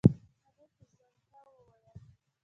هغې په زوټه وويل.